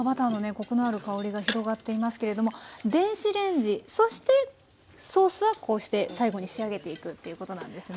コクのある香りが広がっていますけれども電子レンジそしてソースはこうして最後に仕上げていくっていうことなんですね。